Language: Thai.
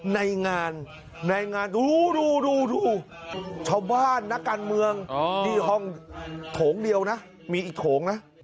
ในงานในงานดูดูชาวบ้านนักการเมืองที่ห้องโถงเดียวนะมีอีกโถงนะ